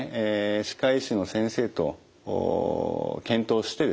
歯科医師の先生と検討してですね